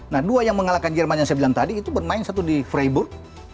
nah dua yang mengalahkan jerman yang saya bilang tadi itu bermain satu di freeboard